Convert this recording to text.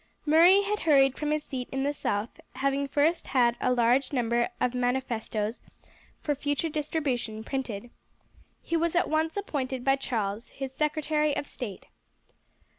Murray had hurried from his seat in the south, having first had a large number of manifestoes for future distribution printed. He was at once appointed by Charles his secretary of state.